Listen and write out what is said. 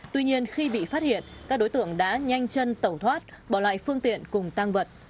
tuy nhiên khi bị phát hiện các đối tượng đã nhanh chân tẩu thoát bỏ lại phương tiện cùng tăng vật